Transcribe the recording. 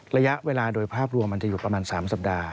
ระยะเวลาโดยภาพรวมมันจะอยู่ประมาณ๓สัปดาห